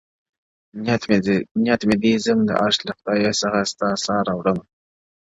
نيت مي دی، ځم د عرش له خدای څخه ستا ساه راوړمه،